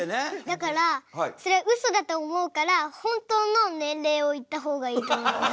だからそれはうそだと思うから本当の年齢を言った方がいいと思います。